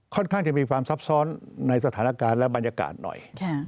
ค่อนข้างจะมีความซับซ้อนในสถานการณ์และบรรยากาศหน่อย